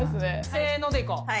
せーのでいこう。